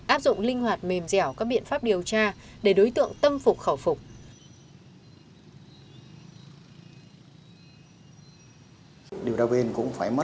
áp dụng linh hoạt mềm dẻo các biện pháp điều tra để đối tượng tâm phục khẩu phục